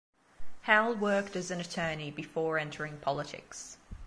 Howell worked as an attorney before entering politics.